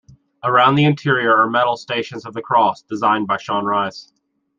Around the interior are metal Stations of the Cross, designed by Sean Rice.